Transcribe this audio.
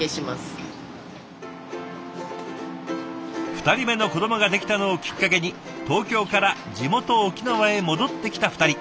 ２人目の子どもができたのをきっかけに東京から地元沖縄へ戻ってきた２人。